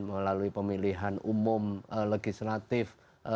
melalui pemilihan umum legislatif